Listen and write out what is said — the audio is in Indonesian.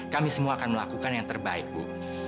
kami semua akan melakukan yang terbaik bu